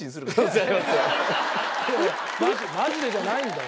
マジでじゃないんだよ